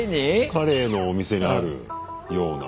カレーのお店にあるような。